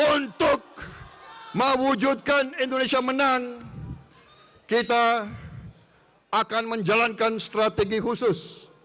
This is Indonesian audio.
untuk membuat indonesia menjadi bangsa kita harus melakukan strategi khusus